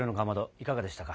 いかがでしたか。